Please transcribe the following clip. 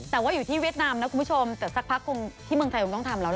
แต่ว่าอยู่ที่เวียดนามนะคุณผู้ชมแต่สักพักคงที่เมืองไทยคงต้องทำแล้วนะ